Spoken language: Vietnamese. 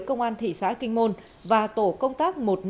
công an thị xã kinh môn và tổ công tác một trăm năm mươi một